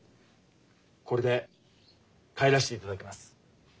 これで帰らしていただきます。